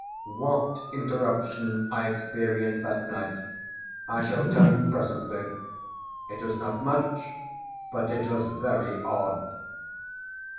What interruption I experienced that night I shall tell you presently. It was not much, but it was very odd.